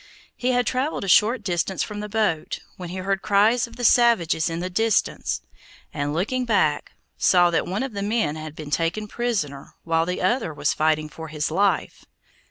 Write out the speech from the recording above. He had traveled a short distance from the boat, when he heard cries of the savages in the distance, and, looking back, saw that one of the men had been taken prisoner, while the other was fighting for his life.